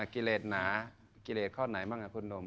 กิเลสหนากิเลสข้อไหนบ้างครับคุณหนุ่ม